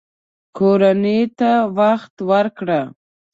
کورنۍ ته وخت ورکړه